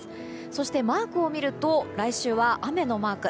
そして、マークを見ると来週は雨のマーク。